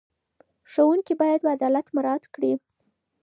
ښوونکي باید عدالت مراعت کړي.